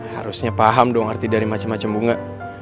harusnya paham dong arti dari macem macem bunga